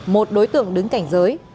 một đối tượng đứng cạnh dưới